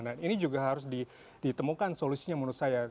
nah ini juga harus ditemukan solusinya menurut saya